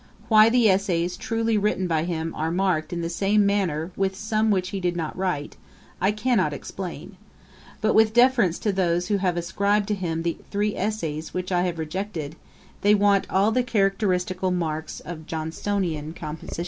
Why the essays truly written by him are marked in the same manner with some which he did not write, I cannot explain; but with deference to those who have ascribed to him the three essays which I have rejected, they want all the characteristical marks of Johnsonian composition.